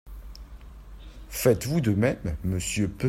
Faites-vous de même, monsieur Peu ?